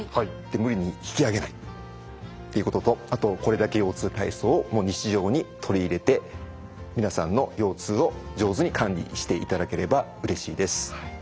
無理に引き上げないっていうこととあと「これだけ腰痛体操」をもう日常に取り入れて皆さんの腰痛を上手に管理していただければうれしいです。